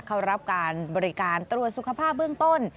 เข้ารับการบริการตรวจสุขภาพเบื้องต้น